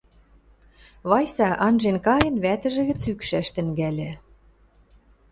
Вайса анжен-кайын вӓтӹжӹ гӹц ӱкшӓш тӹнгӓльӹ.